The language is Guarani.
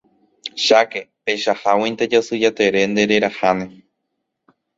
Cháke, peichaháguinte Jasy Jatere ndereraháne.